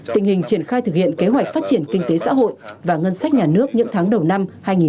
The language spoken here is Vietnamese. tình hình triển khai thực hiện kế hoạch phát triển kinh tế xã hội và ngân sách nhà nước những tháng đầu năm hai nghìn một mươi chín